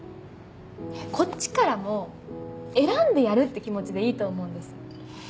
こっちからも選んでやるって気持ちでいいと思うんです。